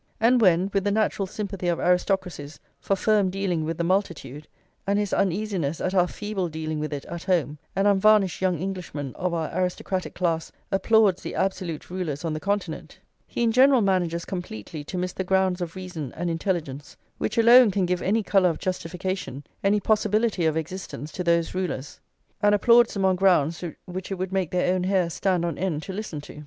And when, with the natural sympathy of aristocracies for firm dealing with the multitude, and his uneasiness at our feeble dealing with it at home, an unvarnished young Englishman of our aristocratic class applauds the absolute rulers on the Continent, he in general manages completely to miss the grounds of reason and intelligence which alone can give any colour of justification, any possibility of existence, to those rulers, and applauds them on grounds which it would make their own hair stand on end to listen to.